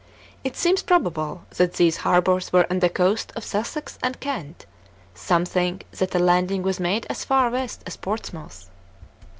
It seems probable that these harbours were on the coast of Sussex and Kent ; some think that ft landing was made as far west as Portsmouth.